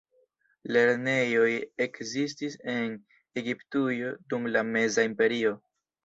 Lernejoj ekzistis en Egiptujo dum la la Meza Imperio.